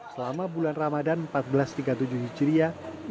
selama bulan ramadan seribu empat ratus tiga puluh tujuh hijriah